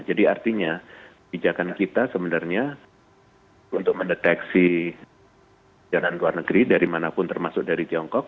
artinya bijakan kita sebenarnya untuk mendeteksi jalan luar negeri dari manapun termasuk dari tiongkok